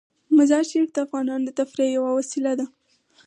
مزارشریف د افغانانو د تفریح یوه وسیله ده.